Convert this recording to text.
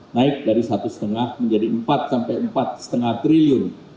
naik dari satu lima menjadi empat sampai empat empat lima triliun